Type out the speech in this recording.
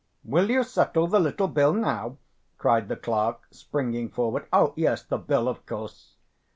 "Will you settle the little bill now?" cried the clerk, springing forward. "Oh, yes, the bill. Of course."